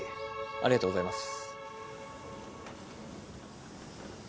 ありがとうございます。